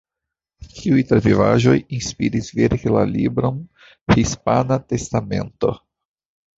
Tiuj travivaĵoj inspiris verki la libron „Hispana Testamento“.